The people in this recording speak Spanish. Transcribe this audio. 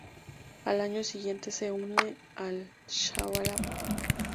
Al año siguiente se une al Al-Shabab.